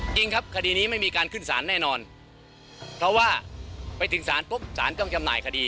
จริงครับคดีนี้ไม่มีการขึ้นสารแน่นอนเพราะว่าไปถึงศาลปุ๊บสารต้องจำหน่ายคดี